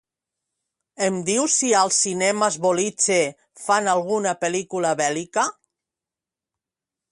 Em dius si als Cinemes Boliche fan alguna pel·lícula bèl·lica?